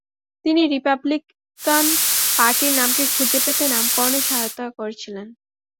তিনি রিপাবলিকান পার্টির নামটি খুঁজে পেতে নামকরণে সহায়তা করেছিলেন।